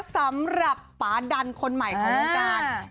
สำหรับปาดันคนใหม่ของวงการ